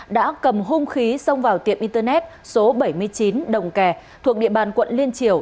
đã cầm hung khí xông vào tiệm internet số bảy mươi chín đồng kè thuộc địa bàn quận liên triều